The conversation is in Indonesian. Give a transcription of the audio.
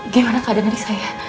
gimana keadaan adik saya